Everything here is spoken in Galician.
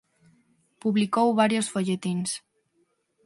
Publicou varios folletíns.